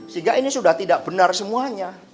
sehingga ini sudah tidak benar semuanya